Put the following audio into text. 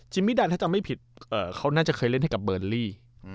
มิดันถ้าจำไม่ผิดเขาน่าจะเคยเล่นให้กับเบอร์ลี่